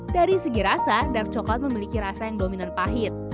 dari segi rasa dark coklat memiliki rasa yang dominan pahit